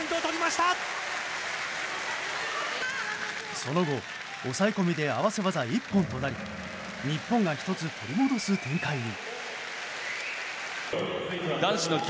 その後、抑え込みで合わせ技一本となり日本が１つ取り戻す展開に。